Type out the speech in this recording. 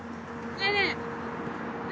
ねえねえね